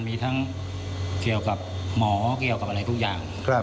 มีทั้งเกี่ยวกับหมอเกี่ยวกับอะไรทุกอย่าง